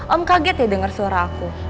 om kaget ya dengar suara aku